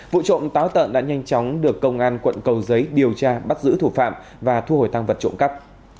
vụ trộm táo tận đã nhanh chóng được công an quận cầu giấy điều tra bắt giữ thủ phạm và thu hồi tăng vật trộm cắt